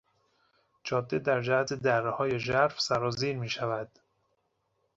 جاده در جهت درههای ژرف سرازیر میشود.